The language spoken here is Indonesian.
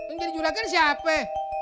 ini jadi julagan siapa